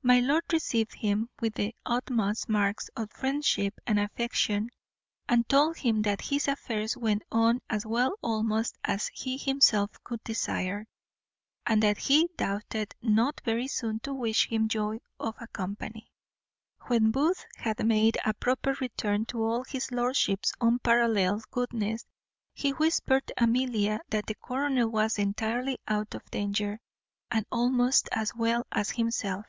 My lord received him with the utmost marks of friendship and affection, and told him that his affairs went on as well almost as he himself could desire, and that he doubted not very soon to wish him joy of a company. When Booth had made a proper return to all his lordship's unparalleled goodness, he whispered Amelia that the colonel was entirely out of danger, and almost as well as himself.